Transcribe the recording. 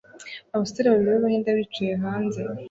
abasore babiri b'Abahinde bicaye hanze